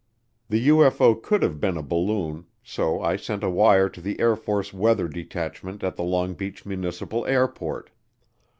The UFO could have been a balloon, so I sent a wire to the Air Force weather detachment at the Long Beach Municipal Airport.